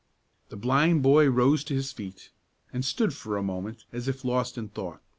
The blind boy rose to his feet and stood for a moment as if lost in thought.